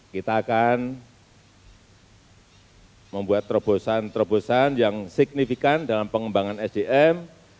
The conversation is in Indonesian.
kita akan membuat terobosan terobosan yang signifikan dalam pengembangan sdm